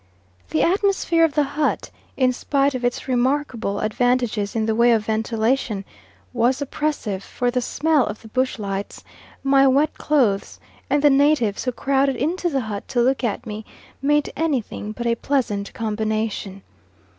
The atmosphere of the hut, in spite of its remarkable advantages in the way of ventilation, was oppressive, for the smell of the bush lights, my wet clothes, and the natives who crowded into the hut to look at me, made anything but a pleasant combination.